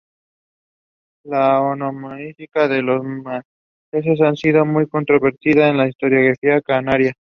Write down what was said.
La onomástica de los "menceyes" ha sido muy controvertida en la historiografía canaria.